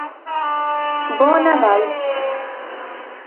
Bo nadal